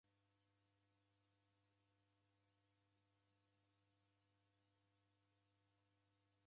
Isanga jedu jeko na w'ulindiri ghwa hali ya ighu.